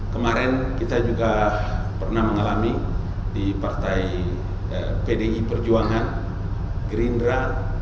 kemarin kita juga pernah mengalami di partai pdi perjuangan gerindra